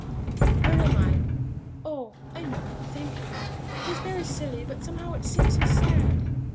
'Where am I? oh, I know! Thank you. It was very silly, but somehow it seemed so sad!'